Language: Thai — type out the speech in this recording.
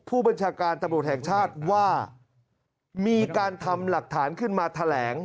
ผู้บัญชาการตำรวจแห่งชาติว่ามีการทำหลักฐานขึ้นมาแถลง